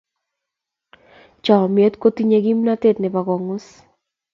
Chomnyet kotinyei kimnatet nebo kong'us.